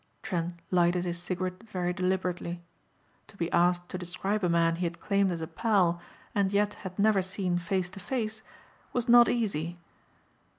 Trent lighted his cigarette very deliberately. To be asked to describe a man he had claimed as a pal and yet had never seen face to face was not easy.